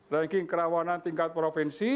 ranking kerawanan tingkat provinsi